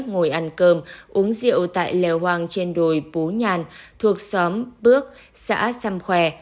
ngồi ăn cơm uống rượu tại lèo hoàng trên đồi pú nhàn thuộc xóm bước xã sam khoe